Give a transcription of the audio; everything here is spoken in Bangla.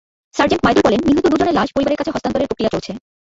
সার্জেন্ট মাইদুল বলেন, নিহত দুজনের লাশ পরিবারের কাছে হস্তান্তরের প্রক্রিয়া চলছে।